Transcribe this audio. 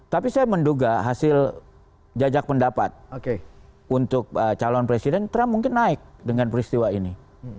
tapi saya menduga hasil jajak pendapat untuk calon presiden trump mungkin naik dengan peristiwa ini